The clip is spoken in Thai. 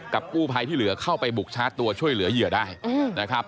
กู้ภัยที่เหลือเข้าไปบุกชาร์จตัวช่วยเหลือเหยื่อได้นะครับ